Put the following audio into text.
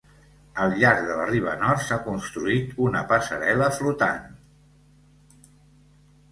Al llarg de la riba nord s'ha construït una passarel·la flotant.